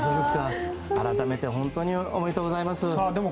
改めて本当におめでとうございます。